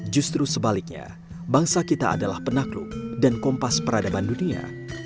justru sebaliknya bangsa kita adalah penakluk dan kompas peradaban dunia